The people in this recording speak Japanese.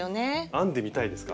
編んでみたいですか？